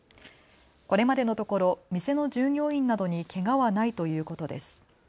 これまでのところ店の従業員などにけがはないということです。